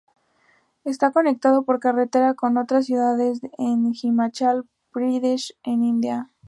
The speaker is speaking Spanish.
Está conectado por carretera con otras ciudades en Himachal Pradesh e India.